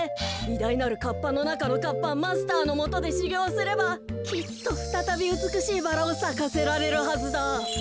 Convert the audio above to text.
いだいなるカッパのなかのカッパマスターのもとでしゅぎょうすればきっとふたたびうつくしいバラをさかせられるはずだ。